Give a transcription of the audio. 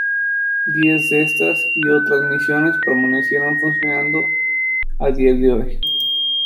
Diez de estas y otras misiones permanecen funcionando a día de hoy.